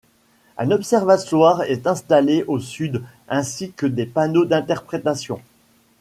Un observatoire est installé au sud ainsi que des panneaux d'interprétation.